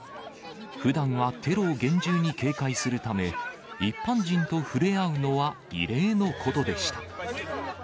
ふだんはテロを厳重に警戒するため、一般人と触れ合うのは異例のことでした。